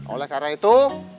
oleh karena itu